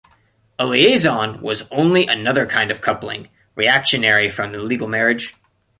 A liaison was only another kind of coupling, reactionary from the legal marriage.